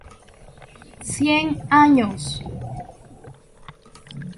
Cien años.